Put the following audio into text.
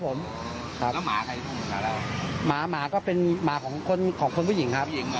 หมาก็เป็นหมาของคนผู้หญิง